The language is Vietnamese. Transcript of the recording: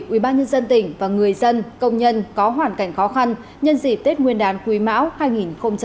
ubnd tỉnh và người dân công nhân có hoàn cảnh khó khăn nhân dịp tết nguyên đán quý mão hai nghìn hai mươi